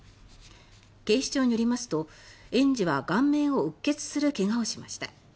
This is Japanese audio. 警視庁によりますと、園児は顔面をうっ血する怪我をしました。